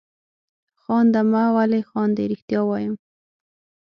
خانده مه ولې خاندې؟ رښتیا وایم.